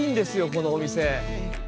このお店。